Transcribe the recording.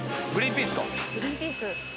グリーンピースか。